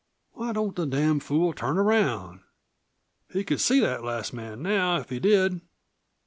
"Why don't the damn fool turn around? He could see that last man now if he did.